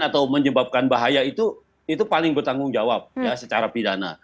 atau menyebabkan bahaya itu paling bertanggung jawab ya secara pidana